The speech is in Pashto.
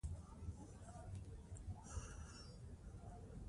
چار مغز د افغانستان هېواد یوه طبیعي ځانګړتیا ده.